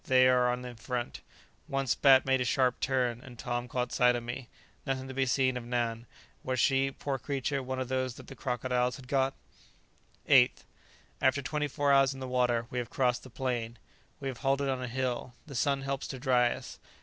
They are on in front. Once Bat made a sharp turn, and Tom caught sight of me. Nothing to be seen of Nan; was she, poor creature, one of those that the crocodiles had got? 8th. After twenty four hours in the water we have crossed the plain. We have halted on a hill. The sun helps to dry us.